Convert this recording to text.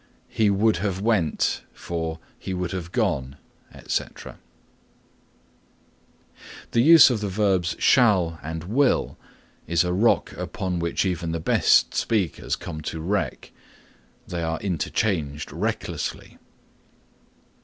"He would have went" for "He would have gone," etc. (3) The use of the verbs shall and will is a rock upon which even the best speakers come to wreck. They are interchanged recklessly.